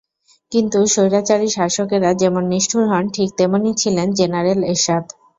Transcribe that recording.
কিন্তু স্বৈরাচারী শাসকেরা যেমন নিষ্ঠুর হন, ঠিক তেমনই ছিলেন জেনারেল এরশাদ।